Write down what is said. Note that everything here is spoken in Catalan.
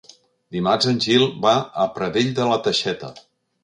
Dimarts en Gil va a Pradell de la Teixeta.